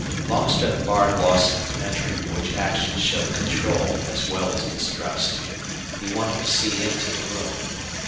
Longstreth barred Lawson from entering, which action showed control as well as distrust. He wanted to see into the room.